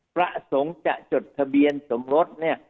ประสงค์จะจดทะเบียนสมรสเนี่ย